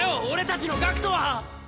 俺たちの学人は！